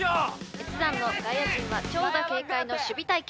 越山の外野陣は長打警戒の守備隊形